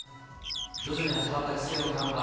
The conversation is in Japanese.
徐々に始まった規制の緩和。